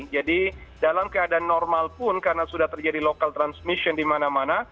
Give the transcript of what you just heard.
jadi dalam keadaan normal pun karena sudah terjadi local transmission di mana mana